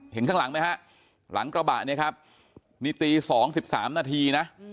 เห็นข้างหลังไหมฮะหลังกระบะนี้ครับนิตีสองสิบสามนาทีนะ